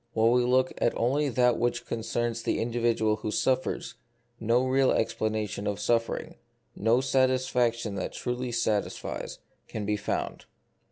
While we look only at that which directly concerns the individual who suffers, no real explanation of suffering, no satisfac tion that truly satisfies, can be found.